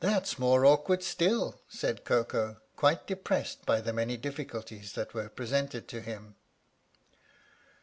"That's more awkward still," said Koko, quite depressed by the many difficulties that were pre sented to him.